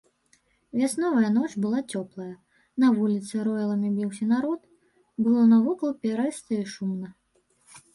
Вясновая ноч была цёплая, на вуліцы роілам біўся народ, было навокал пярэста і шумна.